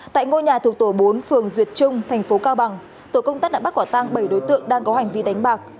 tại ngôi nhà thuộc tổ bốn phường duyệt trung thành phố cao bằng tổ công tác đã bắt quả tang bảy đối tượng đang có hành vi đánh bạc